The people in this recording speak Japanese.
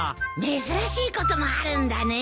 珍しいこともあるんだね。